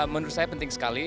menurut saya penting sekali